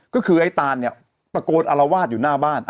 ก็คือไอ้ตานเนี่ยตะโกนอลวาดอยู่หน้าบ้าน